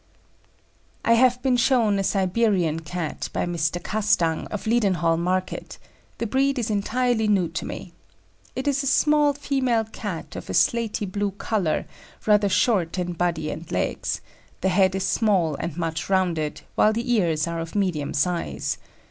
I have been shown a Siberian Cat, by Mr. Castang, of Leadenhall Market; the breed is entirely new to me. It is a small female Cat of a slaty blue colour, rather short in body and legs; the head is small and much rounded, while the ears are of medium size.